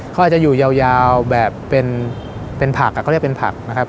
เขาอาจจะอยู่ยาวแบบเป็นผัก